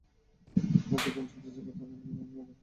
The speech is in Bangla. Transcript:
ও যখন ছোট ছিল, আমি ওর নখ কেটে দিতাম।